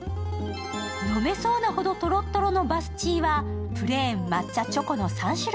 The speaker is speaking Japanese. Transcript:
飲めそうなほどとろっとろのバスチーはプレーン、抹茶、チョコの３種類。